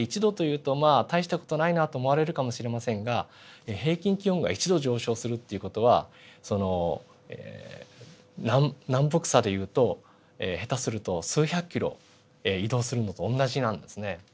１℃というとまあ大した事ないなと思われるかもしれませんが平均気温が１℃上昇するっていう事はその南北差で言うと下手すると数百キロ移動するのとおんなじなんですね。